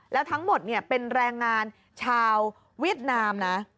แล้วทั้งหมดเป็นแรงงานชาวเวียดนามนะ